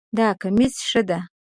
دا کمیس ښه ده